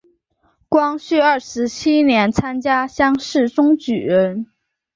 光绪二十七年参加乡试中举人。